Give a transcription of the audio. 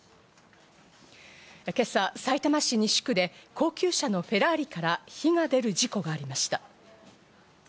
今朝、さいたま市西区で、高級車のフェラーリから火が出る事故がありました。